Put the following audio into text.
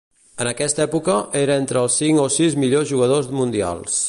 En aquesta època, era entre els cinc o sis millors jugadors mundials.